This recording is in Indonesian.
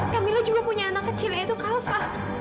kamila juga punya anak kecil yaitu kava